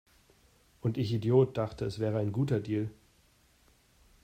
Und ich Idiot dachte, es wäre ein guter Deal!